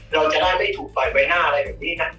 เราจะได้ไม่ถูกปล่อยไว้หน้าอะไรแบบนี้ครับ